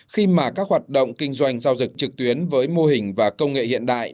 khi mà các hoạt động kinh doanh giao dịch trực tuyến với mô hình và công nghệ hiện đại